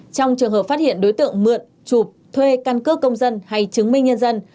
trong trường hợp phát hiện đối tượng mượn chụp thuê căn cước công dân hay chứng minh nhân dân